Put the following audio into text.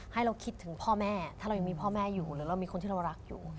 ให้เราคิดถึงพ่อแม่ถ้าเรายังมีพ่อแม่อยู่หรือเรามีคนที่เรารักอยู่